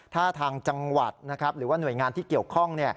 ถ้าทางจังหวัดนะครับหรือว่าหน่วยงานที่เกี่ยวข้อง